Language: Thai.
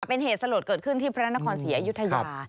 เป็นเหตุสลดเกิดขึ้นที่พระนครศรีอยุธยา